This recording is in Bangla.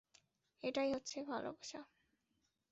এটাই হচ্ছে ভালোবাসা!